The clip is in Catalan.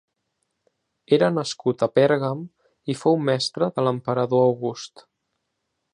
Era nascut a Pèrgam i fou mestre de l'emperador August.